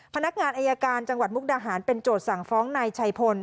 พนักงานอายการจังหวัดมุกดาหารเป็นโจทย์สั่งฟ้องนายชัยพล